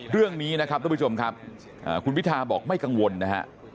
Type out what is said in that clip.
เรื่องนี้นะครับทุกผู้ชมครับคุณพิทาบอกไม่กังวลนะฮะ